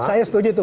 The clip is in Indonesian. saya setuju itu